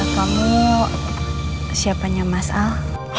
kamu siapanya mas al